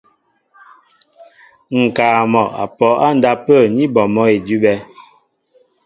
Ŋ̀kaa mɔ' a pɔ á ndápə̂ ní bɔ mɔ́ idʉ́bɛ̄.